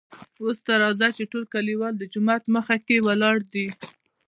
اوس ته راځه چې ټول کليوال دجومات مخکې ولاړ دي .